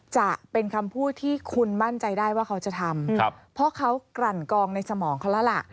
จะเป็นคำพูดที่คุณมั่นใจได้ว่าเขาจะทำเพราะเขากลั่นกองในสมองเขาแล้วล่ะ